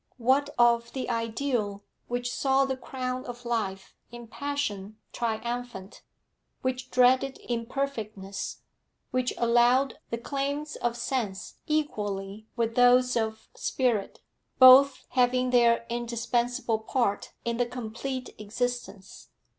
What of the ideal which saw the crown of life in passion triumphant, which dreaded imperfectness, which allowed the claims of sense equally with those of spirit, both having their indispensable part in the complete existence?